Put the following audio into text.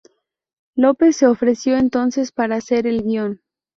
López se ofreció entonces para hacer el guion.